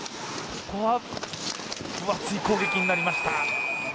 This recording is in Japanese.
ここは分厚い攻撃になりました。